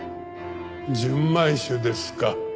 純米酒ですか。